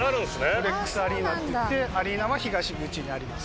ブレックスアリーナっていってアリーナは東口にあります。